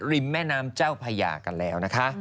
ริมแม่น้ำเจ้าพญากันแล้ว